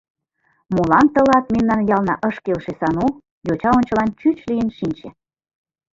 — Молан тылат мемнан ялна ыш келше, Сану? — йоча ончылан чӱч лийын шинче.